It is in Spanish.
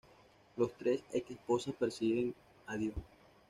Las tres ex-esposas persiguen a Dion.